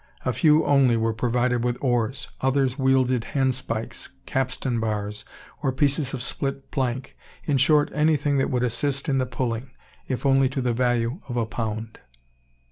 A few only were provided with oars; others wielded handspikes, capstan bars, or pieces of split plank, in short, anything that would assist in the "pulling," if only to the value of a pound.